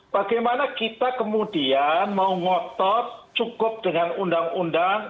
bagaimana kita kemudian mau ngotot cukup dengan undang undang